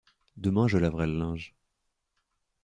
Demain je laverai le linge.